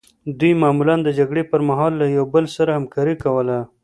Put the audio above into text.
دوی معمولا د جګړې پرمهال له یو بل سره همکاري کوله.